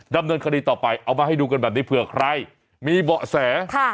ดำเนินคดีต่อไปเอามาให้ดูกันแบบนี้เผื่อใครมีเบาะแส